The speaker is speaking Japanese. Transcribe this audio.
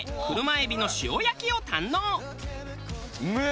うめえ！